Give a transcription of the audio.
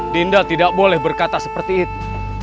dinda tidak boleh berkata seperti itu